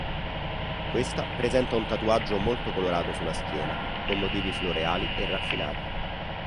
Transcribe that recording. Questa presenta un tatuaggio molto colorato sulla schiena, con motivi floreali e raffinati.